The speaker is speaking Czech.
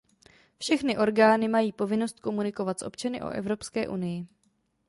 Všechny orgány mají povinnost komunikovat s občany o Evropské unii.